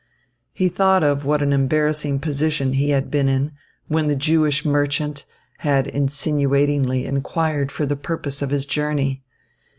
He thought of what an embarrassing position he had been in when the Jewish merchant had insinuatingly inquired for the purpose of his journey.